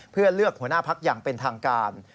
เพื่อเลือกหัวหน้าพักอย่างเป็นทางการ